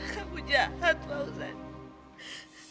kamu jahat pausen